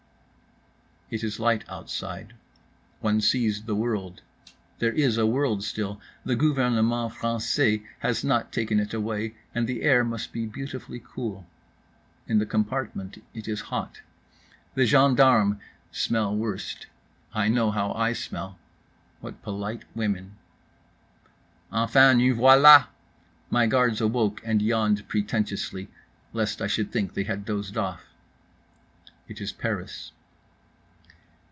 It is light outside. One sees the world. There is a world still, the gouvernement français has not taken it away, and the air must be beautifully cool. In the compartment it is hot. The gendarmes smell worst. I know how I smell. What polite women. "Enfin, nous voilà." My guards awoke and yawned pretentiously. Lest I should think they had dozed off. It is Paris.